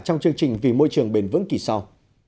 trong chương trình vì môi trường bền vững kỳ sau